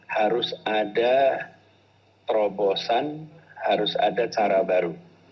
harus ada terobosan harus ada cara baru